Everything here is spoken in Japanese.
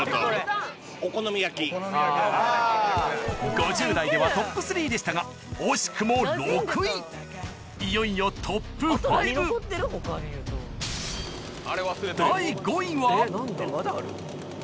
５０代ではトップ３でしたが惜しくも６位いよいよトップ５あれ忘れてるよ。